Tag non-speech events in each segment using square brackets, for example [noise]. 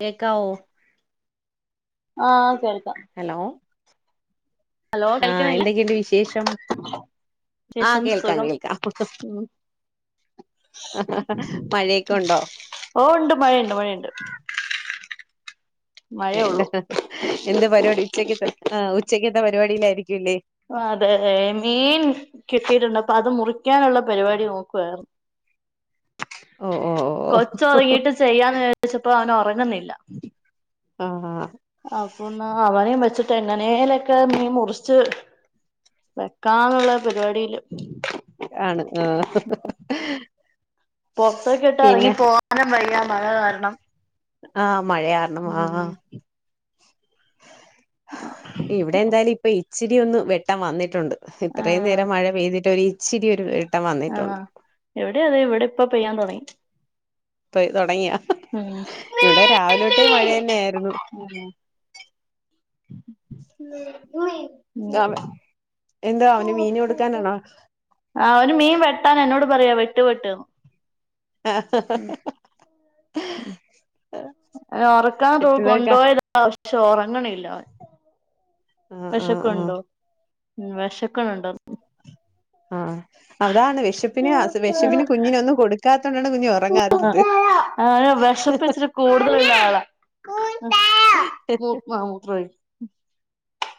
കേക്കാവോ ആഹ് കേൾ ഹലോ ഹലോ ആഹ് കേൾക്കുന്നില്ല എന്തൊക്കെയുണ്ട് വിശേഷം ആഹ് ശേഷം കേൾക്കാം സുഖം കേൾക്കാം ഉം മഴയൊക്കെ ഒണ്ടോ [inaudible] ഓ ഉണ്ട് മഴയുണ്ട് മഴയുണ്ട് വേണ്ട മഴയള്ളൂ എന്ത് പരിപാടി ഉച്ചക്കത്തെ ആ ഉച്ചക്കത്തെ പരിപാടിയിലായിരിക്കും ആ അതെ മീൻ കിട്ട് കിട്ടീട്ടുണ്ട് അപ്പൊ അത് മുറിക്കാനുള്ള പരിപാടി നോക്കുവാരുന്നു ഓ ഓ കൊച്ച് ഓ ഒറങ്ങീട്ട് ചെയ്യാന്ന് വിചാരിച്ചപ്പോ അവൻ ഉറങ്ങുന്നില്ല ആഹ് ആഹ് ട്ട് എങ്ങനേലൊക്കെ മീൻ മുറിച്ച് വെക്കാന്നുള്ള പരിപാടീല് ആണ് ആഹ് പൊറത്തൊക്കെ ഇട്ട് ഇറങ്ങി പിന്നെ പോകാനും വയ്യ മഴ കാരണം ആഹ് മഴ കാരണം ആഹ് ഉം ഇവിടെ എന്തായാലും ഇപ്പൊ ഇച്ചിരി ഒന്ന് വെട്ടം വന്നിട്ടുണ്ട് ഇത്രയും ആഹ് നേരം മഴ പെയ്തിട്ട് ഒരു ഇച്ചിരി ഒരു വന്നിട്ടുണ്ട് ആഹ് ഇവിടെ അതെ ഇവിടെ ഇപ്പ പെയ്യാൻ തുടങ്ങി പയി തുടങ്ങിയാ ഉം ഇവിടെ രാവിലെതൊട്ടെ മഴ തന്നെയായിരുന്നു ഉം ആ, എന്തോ ഉ അവന് മീന് കൊടുക്കാനാണോ ആ ഒരു മീൻ വെട്ടാൻ എന്നോട് പറയാ വെട്ട് വെട്ട്ന്ന് ആഹ് ഉം ഒറക്കാൻ റൂ ചുറ്റിനൊക്കെ കൊണ്ടോയതാ പക്ഷെ ഒറങ്ങണില്ല അവൻ ആഹ് ആഹ് ആഹ് വെശക്കുണ്ടോ ഉം വെശക്കണുണ്ടന്ന് തോന ആ അതാണ് വിശപ്പിന് അത് വിശപ്പിന് കുഞ്ഞിന് ഒന്നും കൊടുക്കാ ആ അവന് വിഷപ്പിച്ചിരി കൂടുതലുള്ള ആളാ മൂ ആ മൂത്രമൊഴി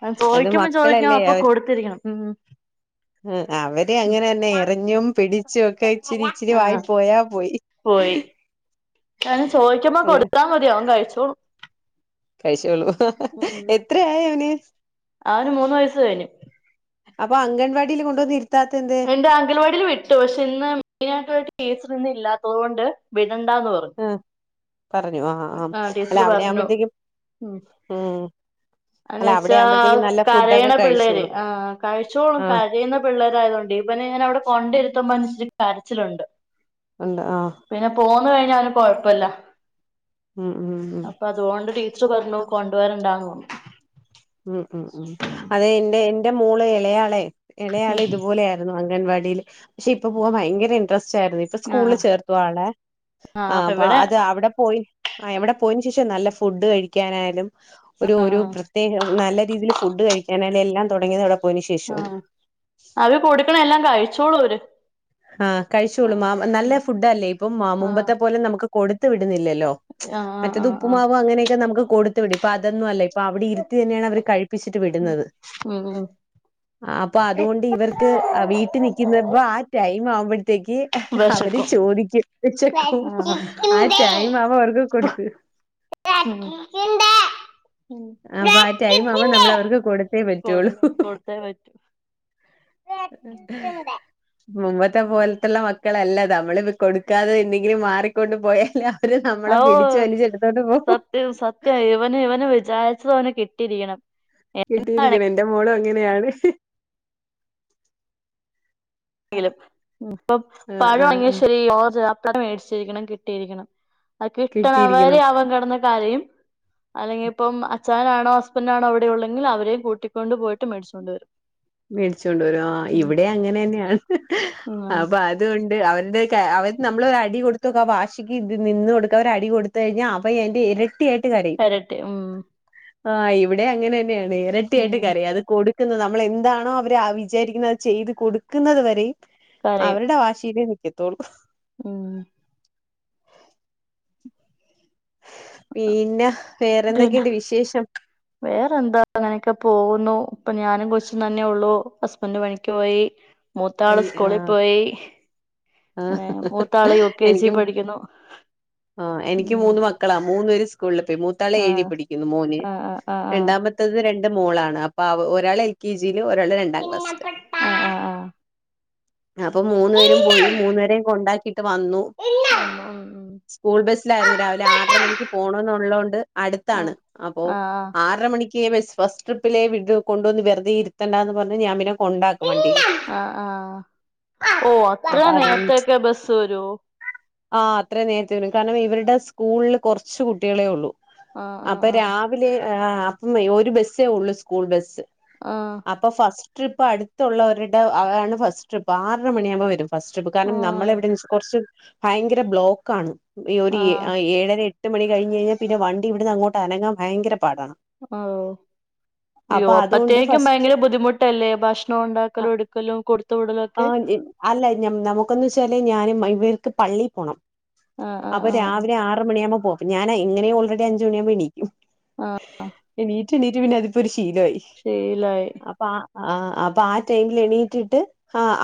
അവൻ അത് ചോദിക്കുമ്പം ചോദിക്കുമ്പം മക്കളല്ലേ അപ്പൊ അവർ കൊടുത്തിരിക്കണം ഉം അവര് അങ്ങനെതന്നെ ഉം എറിഞ്ഞും പിടിച്ചുവൊക്കെ ഇച്ചിരി ഇച്ചിരി ആ വായി പോയാ പോയി പോയി അവന് ചോദിക്കുമ്പോ കൊടുത്താമതി അവൻ കഴിച്ചോളും കഴിച്ചോളും ഉം എത്രയായി അവന് അവന് മൂന്ന് വയസ് കഴിഞ്ഞു അപ്പൊ അംഗൻവാടീല് കൊണ്ടു വന്നിര് ഇണ്ട് അങ്കൽവാടില് വിട്ടു പക്ഷെ ഇന്ന് മെയിനായിട്ടുള്ള ടീച്ചറ് ഇന്നില്ലാത്തത് കൊണ്ട് വിട് ടണ്ടാന്ന് പറഞ്ഞു ആഹ് പറഞ്ഞു ആ ആ അല്ല ടീച്ചർ പറഞ്ഞു അവിടെയാവുമ്പോഴത്തേക്കും ഉം ആന്ന് അല്ല അവിടെ വെച്ചാ ആവുമ്പോഴത്തേക്കും നല്ല ഫുഡൊക്കെ കരയണ പിള്ളേര് കഴിച്ചോളും ആ കഴിച്ചോളും ആഹ് കരയുന്ന പിള്ളേരായതോണ്ടേ ഇവനെ ഞാൻ അവിടെ കൊണ്ടിരുത്തുമ്പൊ അവനിച്ചിരി കരച്ചിലുണ്ട് ഉണ്ട് ആഹ് അത് കഴിഞ്ഞാവന് കൊഴപ്പല്ല ഉം ഉം ഉം അപ്പൊ അതുകൊണ്ട് ടീച്ചറ് പറഞ്ഞു കൊണ്ടുവരണ്ടാന്ന് പറഞ്ഞു ഉം ഉം ഉം അതെ എന്റെ എന്റെ മോള് ഇളയാളെ ഉം ഇളയാളിതുപോലെയായിരുന്നു അംഗൻവാടിയില് പക്ഷെ ഇപ്പൊപോവാൻ ഭയങ്കര ഇൻട്രസ്റ്റാ ച്ചായിരുന്നു ഇപ്പൊ സ്കൂളില് ആഹ് ചേർത്തു ആളെ ആ ആഹ് അപ്പൊ ഇവിടെ അത് അവിടെപ്പോയി ആ അവിടെ പോയന്ശേഷാ നല്ല ഫുഡ്ഡ് കഴിക്കാനായാലും ഒരു ഒരു ആഹ് പ്ര തേകം നല്ല രീതില് ഫുഡ്ഡ്കഴിക്കാനായാലും എല്ലാം തുടങ്ങിയതവിടെ ആ അവര് കൊടുക്കണെല്ലാം കഴിച്ചോളൂ അവര് ആഹ് കഴിച്ചോളും ആഹ് മാ നല്ല ഫുഡ്ഡാല്ലേ ഇപ്പം ആഹ് മുമ്പത്തെ പോലെ നമുക്ക് കൊടുത്ത് വി ടുന്നില്ലല്ലോ ആഹ് മറ്റേത് ആഹ് ആഹ് ഉപ്പ്മാവ് അങ്ങനെയൊക്കെ നമുക്ക് കൊടുത്ത് വിടും ഇപ്പൊ അതൊന്നുഅല്ല ഇപ്പൊ അവിടെ ഇരുത്തിയന്നെയാണ് അവര് കഴിപ്പിച്ചിട്ട് വിടുന്നത് ഉം അപ്പൊ അതുകൊണ്ട് ഇവർക്ക് ഉം വീട്ടിനിക്കുന്നപ്പാ ടൈം ആവുമ്പഴ് ത്തേക്ക് അവര് വെശക്കും ചോദിക്കും വിശക്കും ആ വെച്ചിട്ടുണ്ട് ടൈം അവുമ്പോ അവർക്ക് കൊടുത്ത് ഉം അപ്പൊ ആ ടൈം ആവുമ്പൊ നമ്മളവർക്ക് കൊടുത്തേ കൊടു പറ്റുള്ളൂ കൊടുത്തേ പറ്റൂ വെച്ചിട്ടുണ്ട് മുമ്പത്തെ പോലത്തല്ല മ ക്കളല്ല നമ്മളിപ്പൊ കൊടുക്കാതെ എന്തെങ്കിലും മാറിക്കൊണ്ടു പോയാലോ ഓ സത്യം സത്യം ഇവന് ഇവന് വിചാരി ച്ചോന് കിട്ടിയിരിക്കണം കിട്ടിയിരിക്കണം എന്താണെങ്കിലും എന്റെ മോളും എങ്ങനെയാണ് ഇപ്പ ആഹ് ആഹ് പഴമാണെങ്കി ആഹ് ശെരി ഓറഞ്ച് ആ പ്പിള് മേടിച്ചിരിക്കണം കിട്ടിയിരിക്കണം അത് കിട്ടിയിരിക്കണം. കിട്ടണവരെ ആവൻ കിടന്ന് കാരയും അല്ലെങ്കിപ്പം അ ച്ഛനാണോ ഹസ്ബന്റാണോ ഇവിടെയുള്ളെങ്കിൽ അവരേം കൂട്ടിക്കൊണ്ട് പോയിട്ട് മേടിച്ചോണ്ട് വരും മേടിച്ചുണ്ട്വരും ഉം ഇവിടേം അങ്ങനെന്നെയാണ് ഉം ആ അപ്പൊ അതൊണ്ട് അവരുടെയൊക്കെ അവര് നമ്മളൊരടി കൊടുത്ത്നോക്ക് ആ വാശിക്ക് നിന്ന്കൊടുക്കാതെ ഒരടി കൊടുത്ത് കഴിഞ്ഞാ അവ യെന്റെ ഇരട്ടി എരട്ടി ഉം ആ ഇവിടേം അങ്ങനെന്നെയാണ് ഇരട്ടിയായിട്ട് ഉം കരയും അത് കൊടുക്കുന്ന നമ്മൾ എ ന്താണോ അവര് വിചാരിക്കുന്നത് അത് ചെയ്ത് കൊടുക്കുന്നത് വരെയും അവരുടെ വാശിയിലെ നിക്കു നിക്കൂള്ളൂ ഉംഹ് പിന്നെ പിന്നെ വേറെന്തൊക്കെയുണ്ട് വിശേഷം വേറെന്താ അങ്ങനെയൊക്കെ പോകുന്നു ഇപ്പൊ ഞാനും കൊച്ചും തന്നെയുള്ളൂ ഹസ്ബന്റ് പണിക്ക് പോയി മൂത്താള് ഒയ്, ആ സ്കൂളി പോയി ആ മൂത്താള് യു കെ ജി എനിക്ക് പഠിക്ക്ണു ആ എനിക്ക് മൂന്ന് മക്കളാ മൂന്നേരും സ്കൂളില് പോയി മൂ മൂത്താള് ഏഴിൽ ആഹ് പിടിക്കുന്നു മോന് ആഹ് ആഹ് ആഹ് രണ്ടാമത്തത് രണ്ട് മോളാണ് അപ്പ ഒരാൾ എൽ കെ ജിയില് ഒരാള് രണ്ടാം ക്ലാസ്സില് ആഹ് ആഹ് ആഹ് ആഹ് അപ്പൊ മൂന്നു പേരും പോയി മൂന്നപേരെയും കൊണ്ടാക്കിട്ട് വന്നു ഉം ഉം സ്കൂൾ ബസിലായിരുന്നു ആഹ് രാവിലെ ആഹ് ആറര മണിക്ക് പോണന്നുള്ളത്കൊണ്ട് അടുത്താണ് അപ്പോ ആറര മണിക്ക് ഫസ്റ്റ് ട്രിപ്പിലെ കൊണ്ടുവന്ന് വെറുതെ ഇരുത്തണ്ട എന്ന് പറഞ്ഞ് ഞാൻ പിന്നെ കൊണ്ടാക്കും വണ്ടിയില് ആ ആ ഓ അത്ര അപ്പൊ അതുകൊണ്ട് നേരത്തൊക്കെ ബസ് വരോ ആ അത്രയും നേരത്തെ വരും കാരണം ഇവരുടെ സ്കൂളിൽ കുറച്ച് കുട്ടികളേ ഉള്ളൂ ആഹ് അപ്പൊ ആഹ് രാവിലെ അപ്പം ഒരു ബസ്സേ ഉള്ളു സ്കൂൾ ബസ്സ് ആഹ് അപ്പൊ ഫസ്റ്റ് ട്രിപ്പ് അടുത്തുള്ളവരുടെ ആണ് ഫസ്റ്റ് ട്രിപ്പ് ആറര മണിയാകുമ്പോൾ വരും ഫസ്റ്റ് ട്രിപ്പ് കാരണം ആഹ് നമ്മളെവിടെ കുറച്ച് ഭയങ്കര ബ്ലോക്കാണ് ഈ ഒരു ഓ ആഹ് ഏഴര എട്ട് എട്ട് മണി കഴിഞ്ഞെഴിഞ്ഞാൽ പിന്നെ വണ്ടി ഇവിട്ന്ന്ങ്ങോട്ട് അനങ്ങാൻ ഭയങ്കര പാടാണ് ഓ അയ്യോ അപ്പൊ അതുകൊണ്ട് അപ്പത്തേക്കും ഫസ്റ്റ് ഭയങ്കര ബുദ്ധിമുട്ടല്ലേ ഭക്ഷണം ഉണ്ടാക്കലും എടുക്കൽ ആ അല്ല നമുക്കന്ന് വെച്ചാലേ ഞാനും ഇവർക്ക് പള്ളി പോണം ആ ആ അപ്പൊ ആ രാവിലെ ആറ് മണിയാകുമ്പോ പോവും ഞാൻ എങ്ങനെ ഓൾറെഡി അഞ്ച് മണിയാകുമ്പോ എണീക്കും ആ ആ. എണീറ്റ് എണീറ്റ് പിന്നെ അതിപ്പോ ഒരു ശീലായി ശീലായി അപ്പ ആ അപ്പ ആ ടൈം എണീറ്റിട്ട്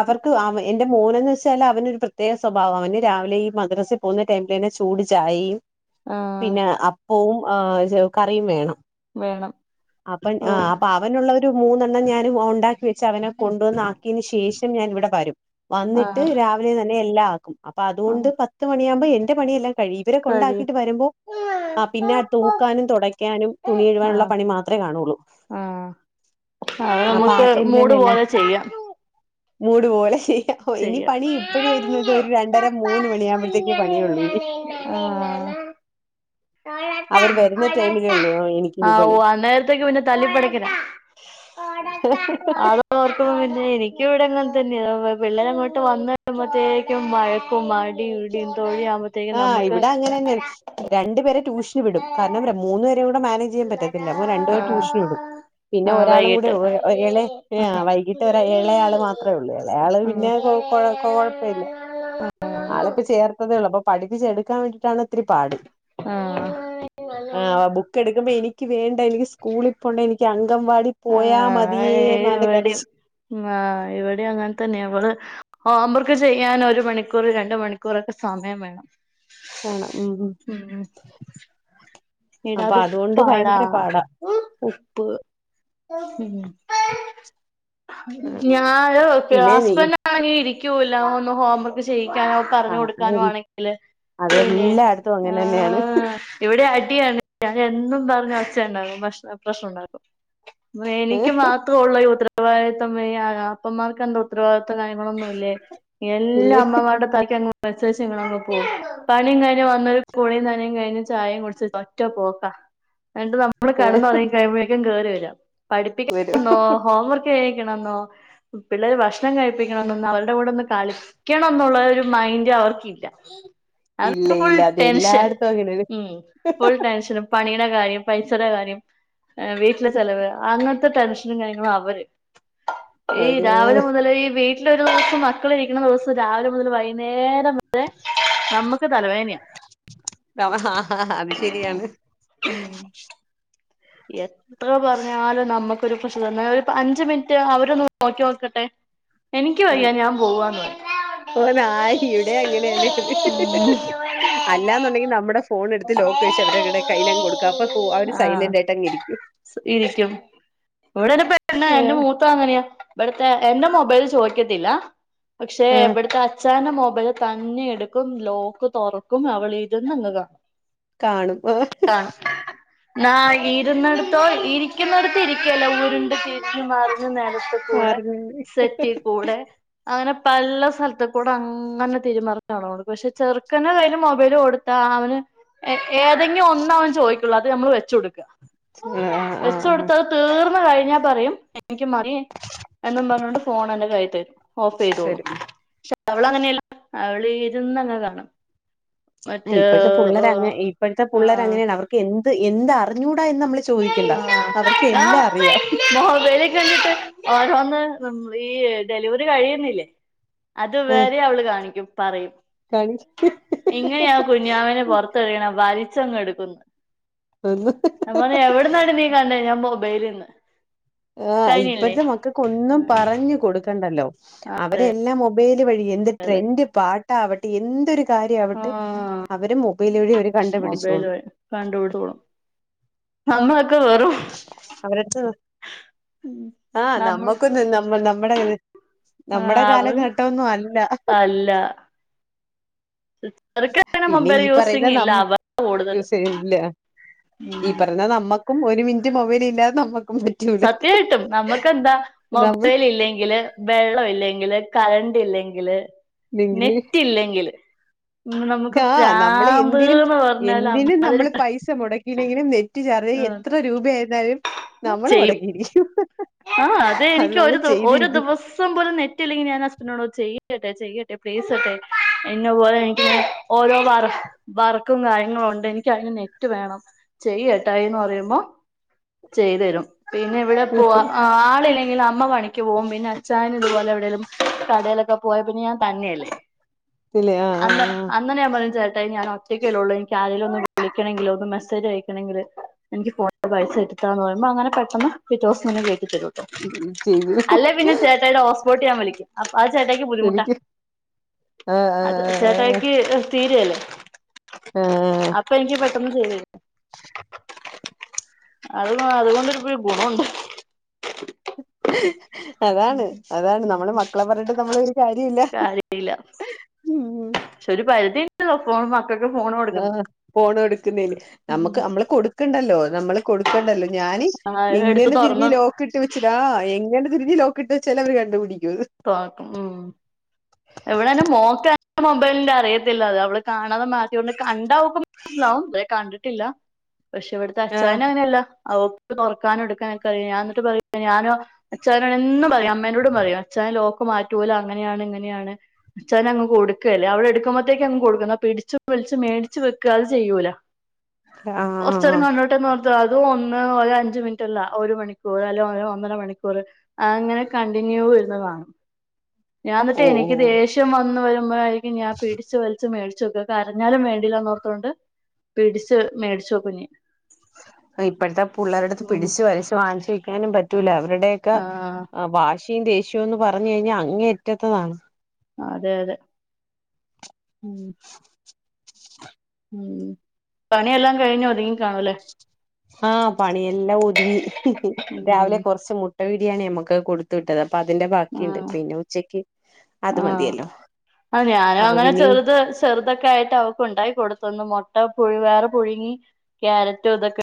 അവർക്ക് എന്റെ മോനന്ന് വെച്ചാൽ അവനൊരു പ്രത്യേക സ്വഭാവാ അവന് രാവിലെ മദ്രസയിൽ പോകുന്ന ടൈമിൽതന്നെ ചൂട് ചായയും ആ പിന്നെ അപ്പവും ആ കറിയും വേണം വേണം അപ്പം ഓ അപ്പൊ അവനുള്ള ഒരു മൂന്നെണ്ണം ഞാനും ഉണ്ടാക്കി വെച്ച് അവന് കൊണ്ടുവന്ന് ആക്കിയേന് ശേഷം ഞാൻ ഇവിടെ വരും ആ വന്നിട്ട് രാവിലെ തന്നെ എല്ലാം ആക്കും അപ്പൊ ആ അതോണ്ട് പത്ത് മണിയാകുമ്പോ എന്റെ പണിയെല്ലാം- കഴിയും ഇവരെ കഴിയും കൊണ്ടാക്കിയിട്ട് വരുമ്പോ ആ പിന്നെ തൂക്കാനും തൊടക്കാനും തുണി ആ ആ കഴുവാനുള്ള പണി മാത്രം കാണുള്ളൂ ആ, അത് അപ്പൊ ആ നമുക്ക് മൂട് ടൈമിലല്ലേ എല്ലാം പോലെ ചെ ചെയ്യാം - മൂട് പോലെ- ഇനി ചെയ്യാം പണി ഇപ്പോഴും വരുന്നത് ഒരു രണ്ടര മൂന്ന് മണിയാുമ്പോഴത്തേക്കേ പണിയള്ളു ഇനി അവര് വരുന്ന ടൈമിലേയുള്ളൂ ആ എനിക്കിനി ഓ പണി അന്നേരത്തേക്ക് പിന്നെ തല്ലിപ്പടിക്കലാ അത് അവർക്ക് [unintelligible] ഇവിടെങ്ങനെ തന്നെ പിള്ളേര് അങ്ങോട്ട് വന്ന കഴിയുമ്പോഴത്തേക്കും വഴക്കും അടീം ഇടീം തൊഴി- ആഹ് ഇവിടെ അങ്ങനെന്നെയാണ് രണ്ടുപേരെ ട്യൂഷന് വിടും കാരണം മൂന്നു പേരെ കൂടെ- ത് ചെയ്യാൻ പറ്റത്തില്ല രണ്ടുപേരെ ട്യൂഷന് വിടും പിന്നെ ആ ഒരാളും കൂടെ വൈകിട്ട് ഉള്ളോ ഏളെ വൈകിട്ട് വരെ ഏളയാള് മാത്രേയുള്ളൂ ഏളയാള് പിന്നെ- കൊഴ കൊഴപ്പില്ല ആളെ ഇപ്പ ചേർത്തതേയുള്ളൂ - പഠിപ്പിച്ചെടുക്കാൻ വേണ്ടിയിട്ടാണ് ഒത്തിരി പാട് ആഹ് ബുക്ക് എടുക്കുമ്പോ എനിക്ക് വേണ്ട എനിക്ക് സ്കൂളിൽ പോണ്ട എനിക്ക്- അങ്കംവാടി പോയാ മതിയേ എന്നാ അവന്റ കരച്ചിൽ ആഹ് ഇവിടേം അങ്ങനെ തന്നെ ഇവള്- ഹോം വർക്ക് ചെയ്യാൻ ഒരു മണിക്കൂർ രണ്ട് മണിക്കൂറൊക്കെ സമയം വേണം വേണം ഉം ഉം എടാ അത് ഉപ്പാടാ ഉപ്പ് ഞാന് പിന്നെ നീ ഹസ്ബന്റ് ആണെങ്കിൽ ഇരി - ഇരിക്കൂല ഒന്ന് ഹോം വർക്ക് ചെയ്യിക്കാനോ ആ പറഞ്ഞു അതെ കൊടുക്കാനോ ആണെങ്കില് പിന്നെ അതെല്ലായിടത്തും ആ അങ്ങനെ തന്നെയാണ് ഇവിടെ- അടിയാണ് ഞാൻ എന്നും പറഞ്ഞ് ഒച്ച ഉണ്ടാക്കും പ്രശ്നം ഉണ്ടാക്കും എനിക്ക് മാത്രം ഉള്ളോ ഈ ഉത്തരവാദിത്തം അപ്പമാർക്ക് എന്താ ഉത്തരവാദിത്തം- ത കാര്യംങ്ങളൊന്നുല്ലേ എല്ല ഇല്ലേ അമ്മമാരുടെ തലക്കങ്ങ് വച്ചേച്ചങ് പോകും പണിയും കഴിഞ്ഞ് വന്ന് കുളിയും നനിം കഴിഞ് ചായിം കുട്ച്ച് ഒറ്റ പോക്കാ എന്നിട്ട് നമ്മള് കെട്ന്നോ ഒർങ്ങി കഴിയുമ്പോഴേക്കും കേറി വെരാ പഠിപ്പിക്ക വരും ന്നോ ഹോം വർക്ക് ക്കെണന്നോ പിള്ളെര് ഭക്ഷണം കഴിപ്പിക്കണന്നോ അവരുടെ കൂടെ ഒന്ന് കളിക്കണംന്നുള്ളോരു മൈന്റ് അവർക്ക് ഇല്ല ഇല്ല അവർക്ക് ഫുൾ ഇല്ല അത് ടൈം ഷെ എല്ലായിടത്തും അങ്ങനെയാണ് ഉം ഷനും പണിയുടെ കാര്യം പൈസടെ കാര്യം ഏഹ് വീട്ടിലെ ചെലവ് അങ്ങൻ ത്ത ടെൻഷനും കാര്യങ്ങളും അവര് ഈ ഒരു രാവിലെ മുതല് ഈ വീട്ട്തെ ലൊരു ദിവസം മക്കള് ഇരിക്ണ ദിവസം രാവിലെ മുതല് വൈന്നേരം വരെ ഞമ്മക്ക് തലവേനയാ ശെരിയാണ് ഉം എത്ര പർഞ്ഞാലും ഞമ്മക്കൊരു [unintelligible] ന്നാ ഒരു അഞ്ച് മിൻറ്റ് അവരൊന്ന് നോക്കി ക്കട്ടെ എനിക്ക് വയ്യ ഞാൻ പോവാന്ന് പറയും ഓനായി ഇവിടിം അങ്ങനെന്നെണ് അല്ലാന്നുണ്ടെങ്കി നമ്മുടെ ഫോണ് എടുത്ത് ലോക്ക് അഴിച് അവര് അവരുടെ കൈലങ്ങ് കൊടുക്കാ അപ്പം പോ അവര് ആഹ് സൈലന്റായിട്ടങ്ങ് ഇരി ഇരിക്കും ഇവിടെ ഒരു പെണ്ണാ എന്റെ ആ മൂത്തത് അങ്ങനെയാ ഇവിട്ത്തെ എന്റെ മൊബൈല് ചോ ചോയ്ക്കത്തില്ല പക്ഷേ ആ ഇവട്ത്തെ അച്ചായൻ്റെ മൊ മൊബൈല് തന്നെ എടുക്കും ലോക്ക് തൊറക്കും അവളിരുന്നങ്ങ് കാണും കാണും ന്നായി ഇരുക്കുന്നോടത്ത് ഇരിക്കുവല്ല ഉരുണ്ട് തിരിഞ്ഞ് മറി ഞ്ഞ് നെലത്തുക്കൂടെ മാറി മാറി സെറ്റീ കൂടെ അങ്ങനെ പല്ല സ്ഥലത്തിക്കൂടെ അങ്ങനെ തിരിമറിഞ്ഞാണ് അവള് പക്ഷെ ചെറുക്കൻ്റെ കയ്യില് മൊബൈല് കൊടുത്താ അവന് ഏ ഏതെങ്കി ഒന്നവൻ ചോയിക്കുള്ളൂ അത് നമ്മള് വെച്ച കൊടുക്കാ ആ ആ വെച്ച ആ കൊടുത്തത് തീർന്ന് കഴി ഞ്ഞാ പറയും എനിക്ക് [inaudible] എന്നും പറഞ്ഞോണ്ട് ഫോൺ എന്റെ കയ്യി തരും ഓഫെയ്തോളും ശരി പക്ഷെ അവള് അങ്ങനെയല്ല അവള് ഇരുന്നങ്ങ് കാണും അ മറ്റേ ഇപ്പഴ്ത്ത പുള്ളരങ്ങ ആഹ് ഈ ഇപ്പഴ്ത്ത ആഹ് പുള്ളരങ്ങനെയാണ് അവർക്ക് എന്ത് എന്ത് അറിഞ്ഞൂ ആ ആ അറിയാം മോബൈലി കണ്ടിട്ട് ഓരോന്ന് നമ്മളീ ഡെലിവറി കഴിയുന്നില്ലേ അത് ആഹ് വരെ അവള് കാണിക്കും പറയും കാണി എങ്ങനെയാ കുഞ്ഞുവാവേനെ പൊറത്തെറിയണ വലിച്ചങ്ങ് എടുക്കുന്നു [unintelligible] ഞാൻ പറഞ്ഞ് എവിട്ന്നാടി നീ കണ്ടേ ഞാൻ ബൊബൈലെന്ന് ആഹ് ഇപ്പഴ്ത്തെ മക്കക്ക് ഒന്നും പറഞ്ഞു കൊടുക്കണ്ടല്ലോ അവരെ എല്ലാം മൊബൈല് വഴി എന്ത് ട്രെൻൻ്റ് പാട്ടാവട്ടെ എന്തൊരു കര്യാവട്ട് ആഹ് അവര് മൊബൈല് വഴി അവര് കണ്ടുപിടിച്ചോളും അമ്മളെക്കെ വെറും അവരട്ത്ത് ഉം ആഹ് നമ്മൾ നമ്മക്കൊന്ന് നമ്മ നമ്മടെ [unintelligible] ആഹ് നമ്മടെ അവർ കാലഘട്ടൊന്നു അല്ല അല്ല അവർക്കങ്ങനെ പിന്നെ മൊബൈൽ ഈ പറയുന്ന യൂസിങ് ഇല്ല നം അവ കൂടുതല് യൂസെയുന്നില്ല ഈ ഉം പറഞ്ഞ നമ്മക്കും ഒരു മിനിറ്റ് മൊബൈൽ ഇല്ലാതെ നമ്മ സത്യവായിട്ടും നമ്മക്കെന്താ നമ്മൾ മൊബൈൽ ഇല്ലെങ്കില് വെള്ളം ഇല്ലെങ്കില് കറണ്ട് ഇല്ലെങ്കില് നെറ്റ് ഇല്ലെങ്കില് നമുക്ക് ആഹ് നമ്മള് എന്തിനും പ്രാന്ത്ന്ന് പറഞ്ഞാല് എന്തിനും അമ്മാതിരി നമ്മള് പൈസ മുടക്കീലെങ്കിലും നെറ്റ് ചാ ചാർജ് ഉം എത്ര രൂപ ആായിരുന്നാലും നമ്മള് ചെയ്യും മൊടക്കിയിരിക്കും ആഹ് അതെ എനിക്ക് ഒരു ദൊ ഒരു ദിവസ്സം പോലും നെറ്റില്ലെങ്കി ഞാൻ [unintelligible] ചെയ് ക്കട്ടെ ചെയ്യട്ടെ പ്ലീസട്ടെ എന്നപോലെ എനിക്ക് ഓരോ വർ വർക്കും കാര്യങ്ങളും ഒണ്ട് എനിക്കാരേലും നെറ്റ് വേണം ചെയ്യ് ഏട്ടായീന്ന് പറയുമ്പോ ചെയ്ത് തരും പിന്നെ ഇവിടെ പോവാ ആളില്ലെങ്കില് അ അമ്മ പണിക്ക് പോവും പിന്നെ അച്ഛായൻ ഇതുപോലെ എവിടേലും കടയിലൊക്കെ പോയ പിന്നെ ഞാൻ തന്നെയല്ലേ ഇല്ലേ ആ ആ അന്ന് അന്നേ ഞാൻ പറയും ചേ ഞാൻ ഒറ്റയ്ക്കല്ലേ ഉള്ളൂ എനിക്ക് ആരേലും ഒന്ന് വിളിക്കണമെങ്കിലോ ഒന്നും മെസ്സേജ് അയക്കണമെങ്കിലോ എനിക്ക് ഫോൺ നമ്പർ അയച്ചു ത [unintelligible] അങ്ങന പെ അപ്പം പിറ്റേ ദിവസം തന്നെ കേറ്റി തരൂട്ടോ ആ ചെയ്തു അല്ലേ പിന്നെ ചേട്ടായിയുടെ ഹോസ്പോട്ട് ഞാൻ വലിക്കും അത് ചേട്ടയിക്ക് ബുദ്ധിമുട്ടാ എനിക്ക് ആ ആ അത് ചേട്ടായിക്ക് തീരയല്ലേ ആ അപ്പൊ എനിക്ക് ചെയ്തു തരുന്നെ അത് അതുകൊണ്ട് ഗുണണ്ട് അതാണ് അതാണ് നമ്മള് മക്കളെ പറഞ്ഞിട്ട് നമ്മള് കാര്യല്ല കാര്യല്ല ഉം [unintelligible] ഫോൺ വാ ആ ഫോണ് എടുക്കുന്നേല് ഉം നമ്മുക്ക് നമ്മള് കൊടുക്കണ്ടല്ലോ നമ്മള് കൊടുക്കണ്ടല്ലോ ഞാന് ആഹ് എടുത്ത് എങ്ങനെ തിരിഞ്ഞ് തുറന്ന് ലോക്കിട്ട് വെച്ചതാ എങ്ങനെ തിരിഞ്ഞ് ലോക്കിട്ട് വെച്ചാൽ അവര് കണ്ടുപിടി തോക്കും ഉ എവിടെന്നെ മോക്ക് മൊബൈലിന്റെ അറിയത്തില്ല അത് അവള് കാ അതും മാറ്റിയൊണ്ട് കണ്ടാവുമ്പ മനസ്സിലാവും [unintelligible] കണ്ടിട്ടില്ല പക്ഷെ ഇവിടുത്തെ ആ അച്ചായനങ്ങനെയല്ല അവക്ക് തൊറക്കാനും എടുക്കാനൊക്കറിയ ഞാ എന്നിട്ട് പറയും ഞാനോ അച്ചായനോട് എന്നും പറയും അമ്മേനോടും പറയും അച്ചായൻ ലോക്ക് മാറ്റൂല അങ്ങനെയാണ് ഇങ്ങനെയാണ് അച്ചായനങ്ങ് കൊടുക്കല്ലേ അവിളെടുക്കുമ്പോത്തേക്കങ്ങ് കൊടുക്കും എന്നാ പി പിടിച്ച് പിടിച്ച് മേടിച്ച് വെക്ക അത് ചെയ്യൂല ആഹ് കൊറച്ചേരം ആഹ് കണ്ടോട്ടെ എന്ന് പറഞ്ഞിട്ട് അ അത് ഒന്ന് അഞ്ച് മിനിറ്റല്ല ഒരു മണിക്കൂർ അല്ലെ ഒന്നര മണിക്കൂർ അങ്ങനെ കണ്ടിന്യൂ ഞാ എന്നിട്ട് ഓ എനിക്ക് ദേഷ്യം വന്ന വരുമ്പോഴായിരിക്കും ഞാൻ പിടിച്ച് വലിച്ചു മേ ച്ചെക്ക കരഞ്ഞാലും വേണ്ടീല്ലാന്നോർത്തോണ്ട് പിടിച്ച് മേടിച്ചോക്കും ഞാൻ ഇപ്പോഴത്തെ പിള്ളേരുടുത്ത് ഉം പിടിച്ചു വലിച്ച് വാങ്ങിച്ചു വയ്ക്കാനും പറ്റൂല അവരുടെ ക്കെ ആഹ് വാശിയും ദേഷ്യവുംക്കെന്ന് പറഞ്ഞു കഴിഞ്ഞാൽ അങ്ങേ അറ്റാത്തതാണ് അതെ അതെ ഉം ഉം പണിയെല്ലാം കഴിഞ്ഞു ഒതുങ്ങി കാണൂല്ലേ ആ പണിയെല്ലാം ഒതുങ്ങി ഉം രാവിലെ കുറച്ച് മുട്ട ബിരിയാണി നമ്മുക്ക് കൊടുത്ത അപ്പൊ അതിന്റെ ബാക്കിയിണ്ട് ആഹ് പിന്നെ ഉച്ചക്ക് അത് മതിയല്ലോ ആ ഞാനും അപ്പൊ അങ്ങനെ പിന്നെ ഈ ചെറുത് ചെറുതൊക്കെ ആയിട്ട് അവക്കുണ്ടായി കൊടുത്തന്ന് മുട്ട പുഴ വേറെ പുഴുങ്ങി ക്യാരറ്റ് ഇതൊക്കെ